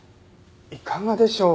いかがでしょう？